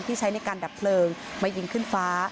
ใช้ในการดับเพลิงมายิงขึ้นฟ้า